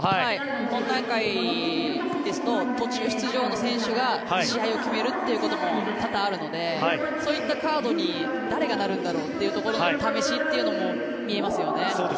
今大会ですと途中出場の選手が試合を決めるということも多々あるのでそういったカードに誰がなるんだろうというところの試しというのも見えますよね。